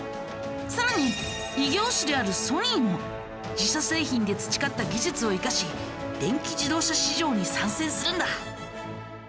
さらに異業種であるソニーも自社製品で培った技術を生かし電気自動車市場に参戦するんだ。